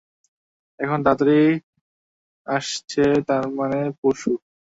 এখন, তারা তারাতাড়ি আসছে তারমানে পরশু।